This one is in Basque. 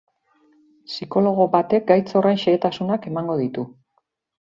Psikologo batek gaitz horren xehetasunak emango ditu.